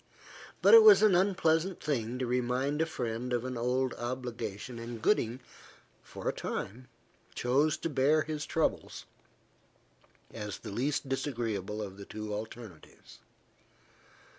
But it was an unpleasant thing to remind a friend of an old obligation, and Gooding, for a time, chose to bear his troubles, as the least disagreeable of the two alternatives.